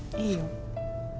いいよ。